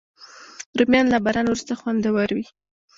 رومیان له باران وروسته خوندور وي